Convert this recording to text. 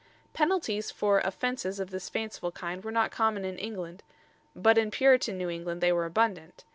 Penalties for "offences" of this fanciful kind were not common in England; but in Puritan New England they were abundant.